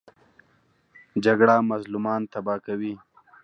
جګړه مظلومان تباه کوي